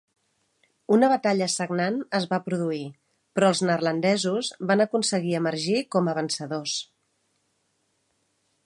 Una batalla sagnant es va produir, però els neerlandesos van aconseguir emergir com a vencedors.